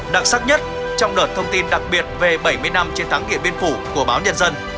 đặc sắc nhất trong đợt thông tin đặc biệt về bảy mươi năm chiến thắng điện biên phủ của báo nhân dân